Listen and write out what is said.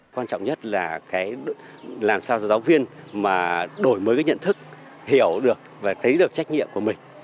quan trọng nhất là cái làm sao cho giáo viên mà đổi mới cái nhận thức hiểu được và thấy được trách nhiệm của mình